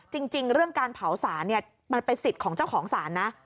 จริงเรื่องการเผาสารเนี่ยมันเป็นสิทธิ์ของเจ้าของศาลนะ